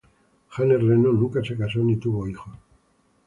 Janet Reno, nunca se casó ni tuvo hijos.